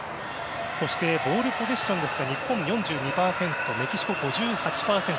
そして、ボールポゼッションは日本４２％メキシコ、５８％。